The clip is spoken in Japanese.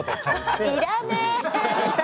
要らねえ。